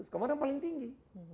kemudian paling tinggi